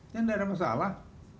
ya nggak ada masalah